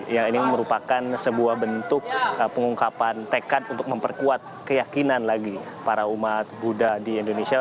yang ini merupakan sebuah bentuk pengungkapan tekad untuk memperkuat keyakinan lagi para umat buddha di indonesia